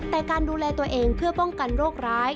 แต่การดูแลตัวเองเพื่อป้องกันโรคร้าย